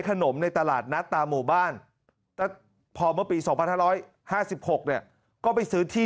ในตลาดนัดตามหมู่บ้านแล้วพอเมื่อปี๒๕๕๖เนี่ยก็ไปซื้อที่